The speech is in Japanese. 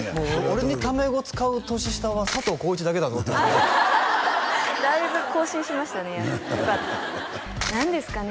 俺にタメ語使う年下は佐藤浩市だけだぞってだいぶ更新しましたねよかった何ですかね